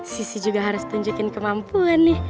sisi juga harus tunjukin kemampuan nih